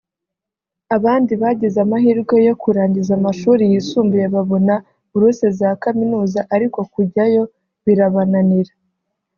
abandi bagize amahirwe yo kurangiza amashuri yisumbuye babona buruse za kaminuza ariko kujyayo birabananira